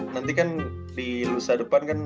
nanti kan di lusa depan kan